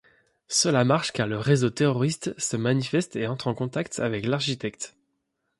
Cela marche car le réseau terroriste se manifeste et entre en contact avec l'architecte.